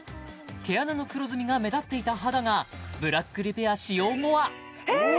毛穴の黒ずみが目立っていた肌がブラックリペア使用後はえ！？